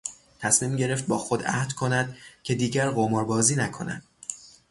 تصمیم گرفت با خود عهد کند که دیگر قمار بازی نکند.